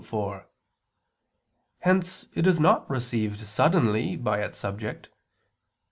Hence it is not received suddenly by its subject.